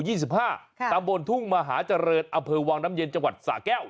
ตำบลทุ่งมหาเจริญอำเภอวังน้ำเย็นจังหวัดสาแก้ว